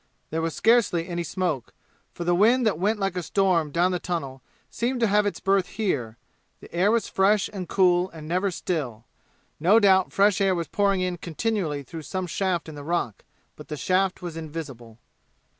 There was scarcely any smoke, for the wind that went like a storm down the tunnel seemed to have its birth here; the air was fresh and cool and never still. No doubt fresh air was pouring in continually through some shaft in the rock, but the shaft was invisible.